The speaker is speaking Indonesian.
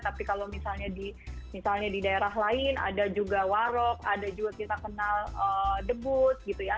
tapi kalau misalnya di daerah lain ada juga warok ada juga kita kenal debut gitu ya